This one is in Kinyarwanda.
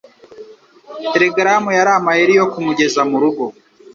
Telegaramu yari amayeri yo kumugeza murugo.